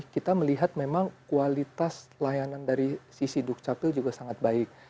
kita melihat memang kualitas layanan dari sisi dukcapil juga sangat baik